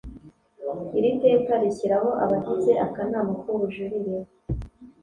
iri teka rishyiraho abagize akanama k ubujurire